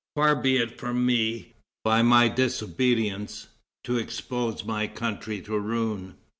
Far be it from me, by my disobedience, to expose my country to ruin.